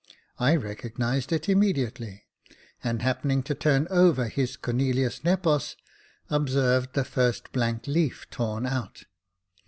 I recognised it immediately ; and happening to turn over his Cornelius Nepos, observed the first blank leaf torn out.